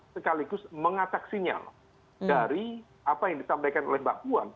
sekaligus mengatak sinyal dari apa yang disampaikan oleh mbak puan